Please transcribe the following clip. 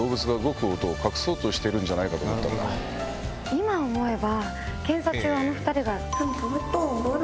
今思えば。